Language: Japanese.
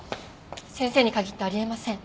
先生に限ってあり得ません。